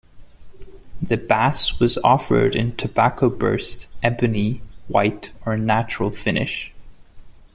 The bass was offered in tobacco burst, ebony, white, or natural finish.